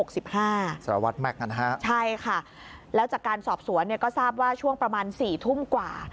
สารวัตรแม็กซ์ใช่ค่ะแล้วจากการสอบสวนก็ทราบว่าช่วงประมาณ๔ทุ่มกว่า